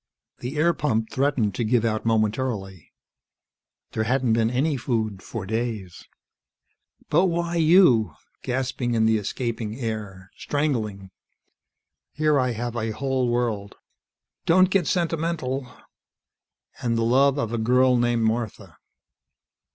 The air pump threatened to give out momentarily. There hadn't been any food for days. "But why you?" Gasping in the escaping air. Strangling. "Here I have a whole world " "Don't get sentimental " "And the love of a girl named Martha."